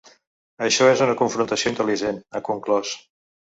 Això és una confrontació intel·ligent, ha conclòs.